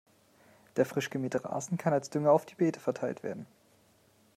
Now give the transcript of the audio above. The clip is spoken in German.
Der frisch gemähte Rasen kann als Dünger auf die Beete verteilt werden.